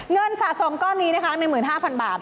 เงินสะสมก้อนนี้นะคะ๑๕๐๐๐บาท